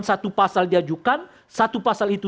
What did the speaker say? satu pasal diajukan satu pasal itu